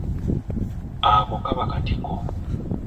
Ako kaba katiko.